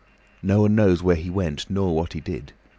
No one knows where he went nor what he did.